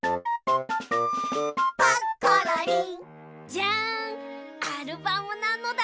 じゃんアルバムなのだ。